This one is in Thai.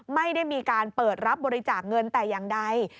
ไม่ได้มีการเปิดรับบริจาคเงินแต่อย่างใด